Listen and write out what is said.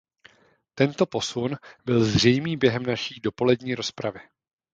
Tento posun byl zřejmý během naší dopolední rozpravy.